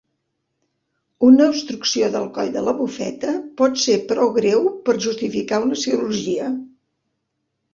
Una obstrucció del coll de la bufeta pot ser prou greu per justificar una cirurgia.